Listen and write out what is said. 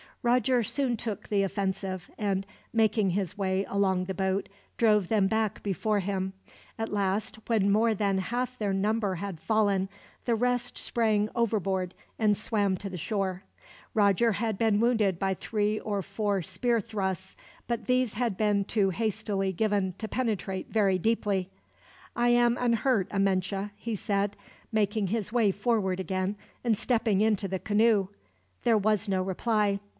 Roger soon took the offensive and, making his way along the boat, drove them back before him. At last, when more than half their number had fallen, the rest sprang overboard and swam to the shore. Roger had been wounded by three or four spear thrusts, but these had been too hastily given to penetrate very deeply. "I am unhurt, Amenche," he said, making his way forward again, and stepping into the canoe. There was no reply.